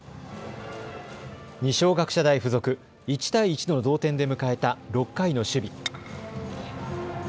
二松学舎大付属、１対１の同点で迎えた６回の守備。